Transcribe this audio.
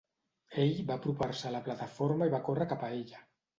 "Ell va apropar-se a la plataforma i va córrer cap a ella."